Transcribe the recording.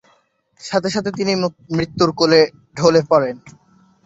সাথে সাথে তিনি মৃত্যুর কোলে ঢলে পড়েন।